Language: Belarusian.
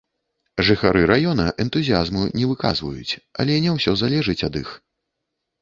Жыхары раёна энтузіязму не выказваюць, але не ўсё залежыць ад іх.